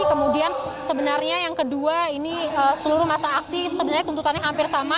kemudian sebenarnya yang kedua ini seluruh masa aksi sebenarnya tuntutannya hampir sama